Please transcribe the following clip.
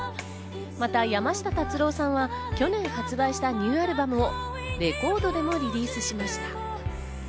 また山下達郎さんは去年発売したニューアルバムをレコードでもリリースしました。